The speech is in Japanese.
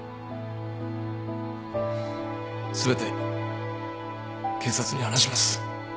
全て警察に話します